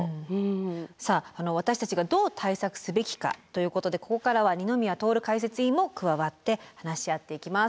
さあ私たちがどう対策すべきかということでここからは二宮徹解説委員も加わって話し合っていきます。